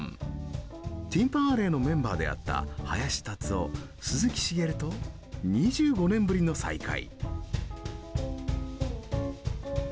ティン・パン・アレーのメンバーであった林立夫鈴木茂と２５年ぶりの再会。